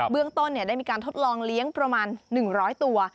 เรื่องต้นได้มีการทดลองเลี้ยงประมาณ๑๐๐ตัว